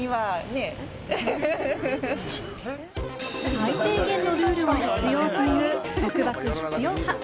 最低限のルールは必要という束縛必要派。